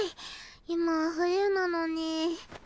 今は冬なのに。